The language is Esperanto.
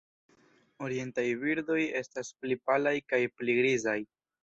Orientaj birdoj estas pli palaj kaj pli grizaj.